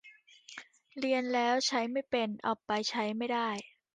เรียนแล้วใช้ไม่เป็น เอาไปใช้ไม่ได้